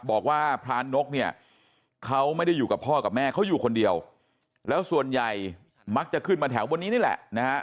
พรานกเนี่ยเขาไม่ได้อยู่กับพ่อกับแม่เขาอยู่คนเดียวแล้วส่วนใหญ่มักจะขึ้นมาแถวบนนี้นี่แหละนะฮะ